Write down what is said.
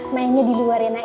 mainnya di luar ya nak ya